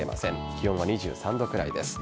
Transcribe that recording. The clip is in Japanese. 気温は２３度くらいです。